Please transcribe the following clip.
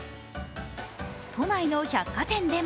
都内の百貨店でも